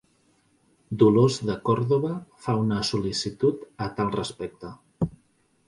Dolors de Córdoba fa una sol·licitud a tal respecte.